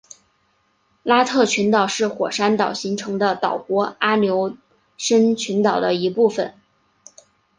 拉特群岛是火山岛形成的岛弧阿留申群岛的一部分。